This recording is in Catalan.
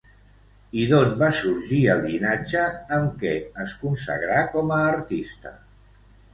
I d'on va sorgir el llinatge amb què es consagrà com a artista?